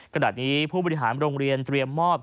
ขณะนี้ผู้บริหารโรงเรียนเตรียมมอบ